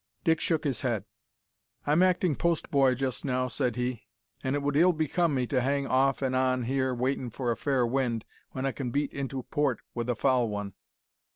Dick shook his head. "I'm acting post boy just now" said he, "an' it would ill become me to hang off an' on here waitin' for a fair wind when I can beat into port with a foul one."